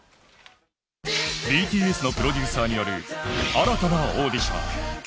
ＢＴＳのプロデューサーによる新たなオーディション。